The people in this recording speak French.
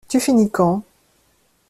Tu finis quand?